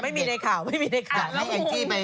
ไม่มีในข่าว